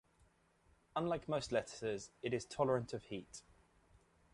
Unlike most lettuces, it is tolerant of heat.